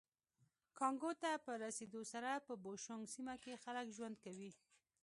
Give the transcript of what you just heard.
کانګو ته په رسېدو سره په بوشونګ سیمه کې خلک ژوند کوي